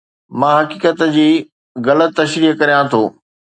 مان حقيقت جي غلط تشريح ڪريان ٿو